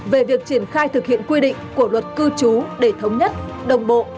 về việc triển khai thực hiện quy định của luật cư trú để thống nhất đồng bộ